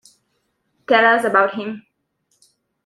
Tell us about him.